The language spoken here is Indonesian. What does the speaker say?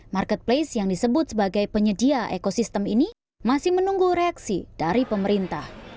marketplace yang disebut sebagai penyedia ekosistem ini masih menunggu reaksi dari pemerintah